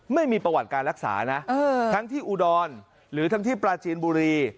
ไม่มีประวัติการรักษานะทั้งที่อุดรหรือทั้งที่ปลาจีนบุรี